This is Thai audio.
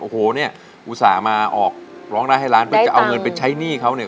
โอ้โหเนี่ยอุตส่าห์มาออกร้องได้ให้ล้านเพื่อจะเอาเงินไปใช้หนี้เขาเนี่ย